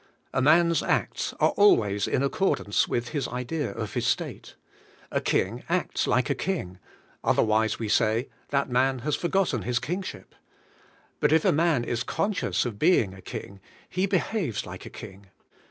A man's acts are always in accordance wnth his idea of his state. A king acts like a king, other wise we say, "That man has forgotten his king ship," but if a man is conscious of being a king, he behaves like a king.